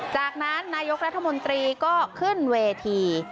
จากนั้นนายกรัฐมนตรีก็ขึ้นเวที